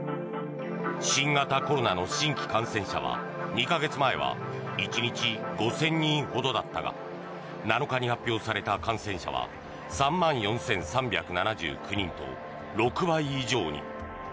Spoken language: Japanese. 新型コロナの新規感染者は２か月前は１日５０００人ほどだったが７日に発表された感染者は３万４３７９人と６倍以上に。